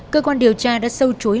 cơ quan điều tra đã sâu trúi